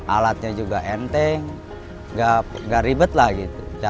alatnya juga enteng gak ribet lah gitu